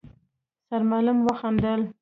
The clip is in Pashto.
سرمعلم وخندل: